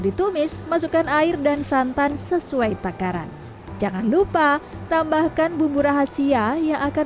ditumis masukkan air dan santan sesuai takaran jangan lupa tambahkan bumbu rahasia yang akan